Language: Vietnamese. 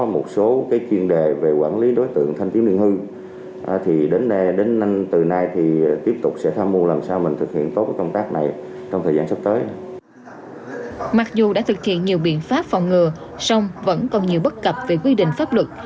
mặc dù đã thực hiện nhiều biện pháp phòng ngừa song vẫn còn nhiều bất cập về quy định pháp luật